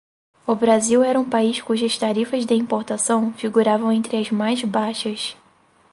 o Brasil era um país cujas tarifas de importação figuravam entre as mais baixas